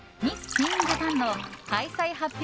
・ティーン・ジャパンの開催発表